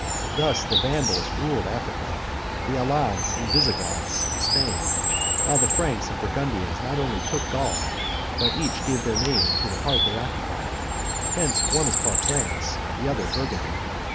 Thus the Vandals ruled Africa; the Alans and Visigoths, Spain; while the Franks and Burgundians not only took Gaul, but each gave their name to the part they occupied; hence one is called France, the other Burgundy.